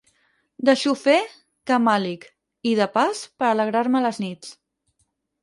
De xofer, camàlic i, de pas, per alegrar-me les nits!